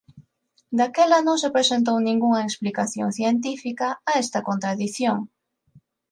Daquela non se presentou ningunha explicación científica a esta contradición.